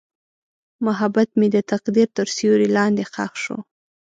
محبت مې د تقدیر تر سیوري لاندې ښخ شو.